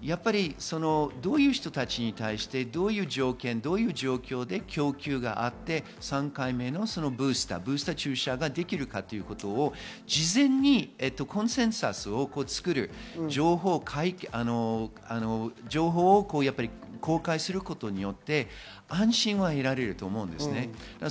どういう人たちに対してどういう条件・状況で供給があって、３回目のブースター注射ができるかということを事前にコンセンサスを作る、情報を公開することによって安心は得られると思います。